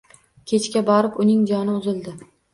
Kechga borib, uning joni uzildi